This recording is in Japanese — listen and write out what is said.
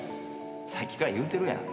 さっきから言うてるやん。